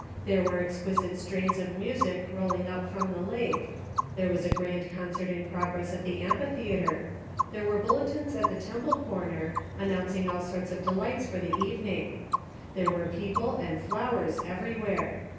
There were exquisite strains of music rolling up from the lake ; there was a grand concert in progress at the amphitheatre ; there were bulletins at the Temple corner, an nouncing all sorts of delights for the evening — there were people and flowers everywhere.